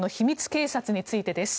警察についてです。